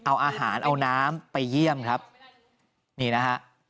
เอาอาหารเอาน้ำไปเยี่ยมครับนี่นะฮะ